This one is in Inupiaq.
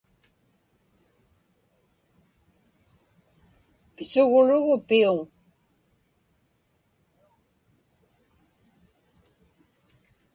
Pisuglugu piuŋ.